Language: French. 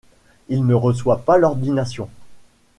Il ne reçoit pas l'ordination.